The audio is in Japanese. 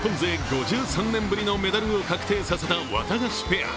５３年ぶりのメダルを確定させたワタガシペア。